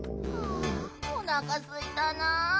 あおなかすいたなあ。